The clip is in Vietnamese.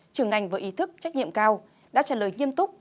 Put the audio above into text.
trường ngành với ý thức trách nhiệm cao đã trả lời nghiêm túc